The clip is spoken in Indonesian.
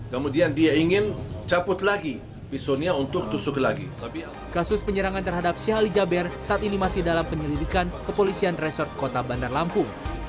kemudian kasus penyerangan terhadap sheikh ali jaber saat ini masih dalam penyelidikan kepolisian resort kota bandar lampung